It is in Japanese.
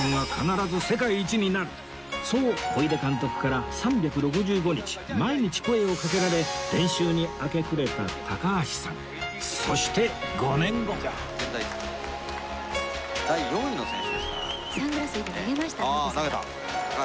そう小出監督から３６５日毎日声をかけられ練習に明け暮れた高橋さんああ投げた。